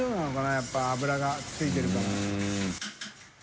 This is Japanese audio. やっぱ油が付いてるから。